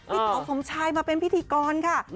ต่อสมชายมาเป็นพิธีกรค่ะ